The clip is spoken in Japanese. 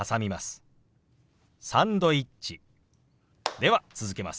では続けます。